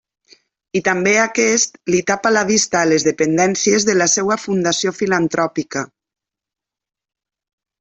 I també aquest li tapa la vista a les dependències de la seua fundació filantròpica.